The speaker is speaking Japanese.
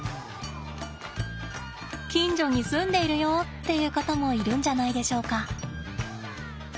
近所に住んでいるよっていう方もいるんじゃないでしょうか。